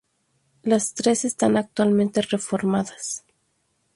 Las tres están actualmente reformadas.